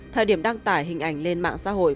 thời điểm đăng tải hình ảnh lên mạng xã hội